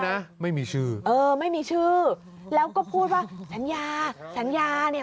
นะไม่มีชื่อเออไม่มีชื่อแล้วก็พูดว่าสัญญาสัญญาเนี่ย